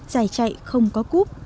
giải chạy không có cúp